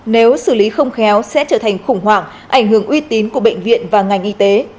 nếu xử lý không khéo sẽ trở thành khủng hoảng ảnh hưởng uy tín của bệnh viện và ngành y tế